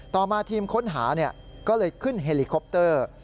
ต่อมาทีมค้นหาก็เลยขึ้นเฮลิคอปเตอร์